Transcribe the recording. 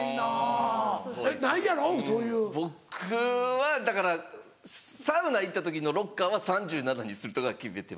僕はだからサウナ行った時のロッカーは３７にするとかは決めてます。